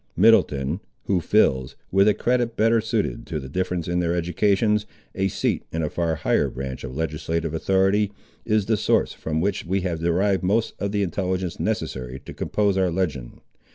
Middleton, who fills, with a credit better suited to the difference in their educations, a seat in a far higher branch of legislative authority, is the source from which we have derived most of the intelligence necessary to compose our legend.